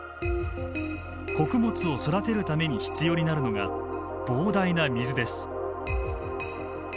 穀物を育てるために必要になるのが膨大な水です。